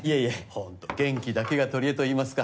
ほんと元気だけが取り柄といいますか。